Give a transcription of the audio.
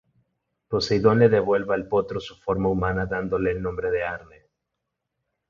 Poseidón le devuelve al potro su forma humana dándole el nombre de Arne.